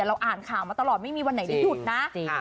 เราอ่านข่าวมาตลอดไม่มีวันไหนได้หยุดนะ